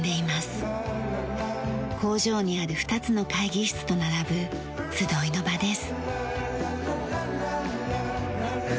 工場にある２つの会議室と並ぶ集いの場です。